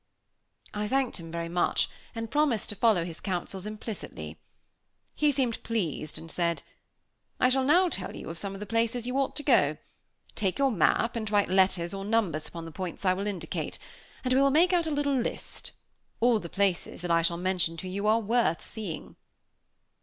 I thanked him very much, and promised to follow his counsels implicitly. He seemed pleased, and said: "I shall now tell you some of the places you ought to go to. Take your map, and write letters or numbers upon the points I will indicate, and we will make out a little list. All the places that I shall mention to you are worth seeing."